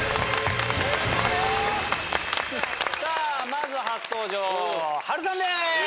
さあまずは初登場波瑠さんです。